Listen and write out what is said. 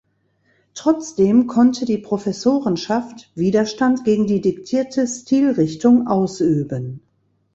Trotzdem konnte die Professorenschaft Widerstand gegen die diktierte Stilrichtung ausüben.